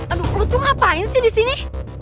aduh lo tuh ngapain sih disini